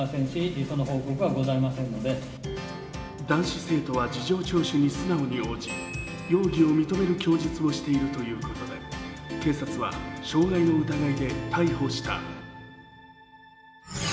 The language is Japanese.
男子生徒は事情聴取に素直に応じ容疑を認める供述をしているということで警察は傷害の疑いで逮捕した。